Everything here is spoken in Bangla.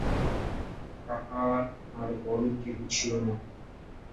তাঁহার আর বড়ো কেহ ছিল না।